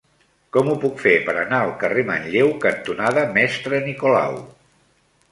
Com ho puc fer per anar al carrer Manlleu cantonada Mestre Nicolau?